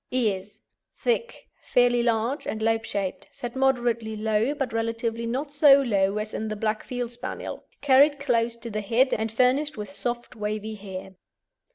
EARS Thick, fairly large, and lobe shaped; set moderately low, but relatively not so low as in the Black Field Spaniel; carried close to the head, and furnished with soft wavy hair.